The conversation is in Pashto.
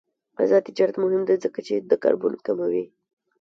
آزاد تجارت مهم دی ځکه چې د کاربن کموي.